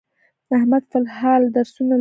احمد فل الحال درسونه لولي.